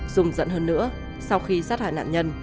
dùng dẫn hơn nữa sau khi sát hại nạn nhân